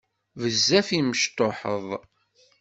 Bezzaf i mecṭuḥet.